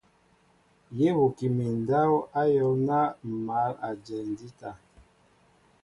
Yé huki mi ndáw áyól ná ḿ mǎl a jɛɛ ndíta.